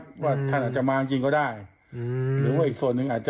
ปกติเคยเจอเหตุการณ์อะไรแบบนี้นะฮะ